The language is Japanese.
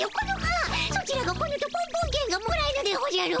ソチらが来ぬとポンポンけんがもらえぬでおじゃる。